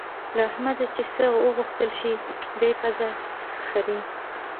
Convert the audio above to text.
له احمده چې څه وغوښتل شي؛ دی پزه خرېي.